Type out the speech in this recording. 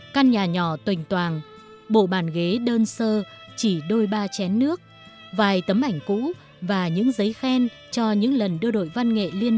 căn nhà nhỏ tuỳnh toàng bộ bàn ghế đơn sơ chỉ đôi ba chén nước vài tấm ảnh cũ và những giấy khen cho những lần đưa đổi văn nghệ lên